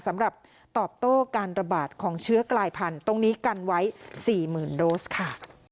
สำหรับตอบโต้การระบาดของเชื้อกลายพันธุ์ตรงนี้กันไว้๔๐๐๐โดสค่ะ